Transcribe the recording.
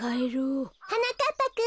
はなかっぱくん。